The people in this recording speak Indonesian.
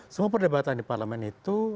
semua perdebatan di parlemen itu